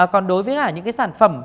còn đối với những sản phẩm